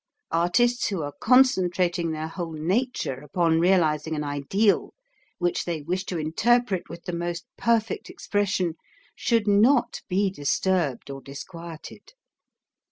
Artists who are concen trating their whole nature upon realizing an ideal, which they wish to interpret with the most perfect expression, should not be dis turbed or disquieted.